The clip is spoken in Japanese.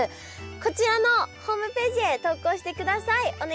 こちらのホームページへ投稿してください。